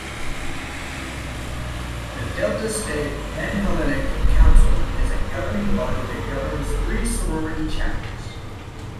The Delta State Panhellenic Council is a governing body that governs three sorority chapters.